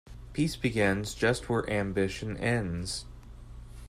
Peace begins just where ambition ends.